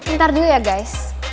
ntar dulu ya guys